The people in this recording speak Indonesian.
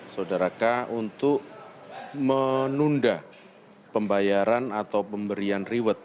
saudaraka untuk menunda pembayaran atau pemberian reward